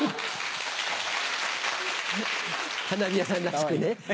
花火屋さんらしくね。